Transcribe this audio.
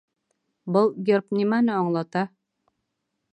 Был герб нимәне аңлата?